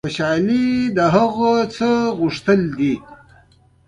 خوشحالي د هغه څه غوښتل دي.